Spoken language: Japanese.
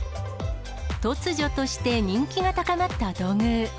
突如として人気が高まった土偶。